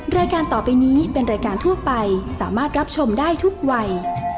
รายการต่อไปนี้เป็นรายการทั่วไปสามารถรับชมได้ทุกวัย